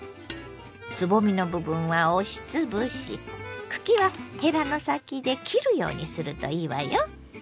つぼみの部分は押しつぶし茎はへらの先で切るようにするといいわよ。